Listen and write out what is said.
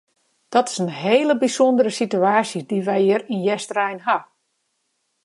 Dat is in hele bysûndere situaasje dy't we hjir yn Easterein ha.